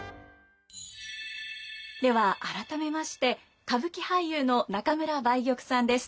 では改めまして歌舞伎俳優の中村梅玉さんです。